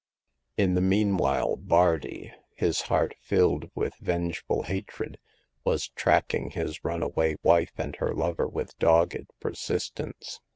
In the meanwhile Bardi, his heart filled with vengeful hatred, was tracking his runaway wife and her lover with dogged persistence.